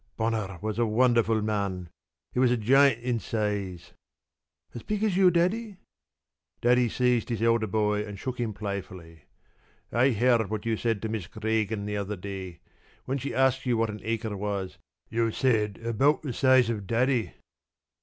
"Bonner was a wonderful man. He was a giant in size." "As big as you, Daddy?" Daddy seized his elder boy and shook him playfully. "I heard what you said to Miss Cregan the other day. When she asked you what an acre was you said 'Abqut the size of Daddy.'"